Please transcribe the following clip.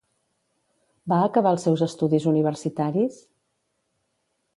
Va acabar els seus estudis universitaris?